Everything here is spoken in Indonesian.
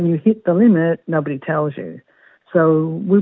tapi ketika anda mencapai limit